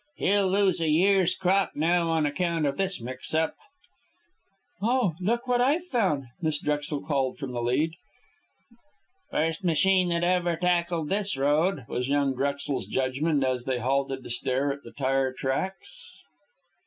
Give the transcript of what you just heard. "He'll lose a year's crop now on account of this mix up." "Oh, look what I've found!" Miss Drexel called from the lead. "First machine that ever tackled this road," was young Drexel's judgment, as they halted to stare at the tire tracks.